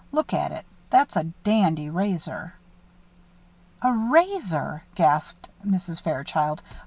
Look at it. That's a dandy razor." "A razor!" gasped Mrs. Fairchild.